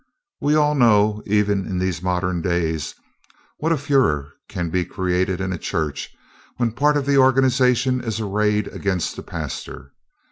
We all know, even in these modern days, what a furor can be created in a church, when a part of the organization is arrayed against the pastor.